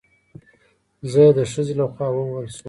زه د خځې له خوا ووهل شوم